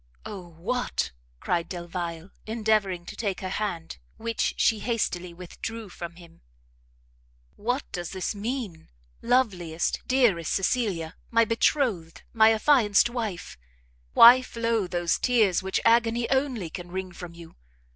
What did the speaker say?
"Oh what," cried Delvile, endeavouring to take her hand, which she hastily withdrew from him, "what does this mean? loveliest, dearest Cecilia, my betrothed, my affianced wife! why flow those tears which agony only can wring from you?